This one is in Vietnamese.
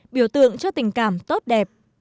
biểu tượng cho tình cảm tốt đẹp